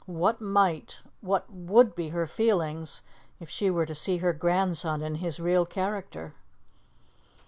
What might what would be her feelings if she were to see her grandson in his real character?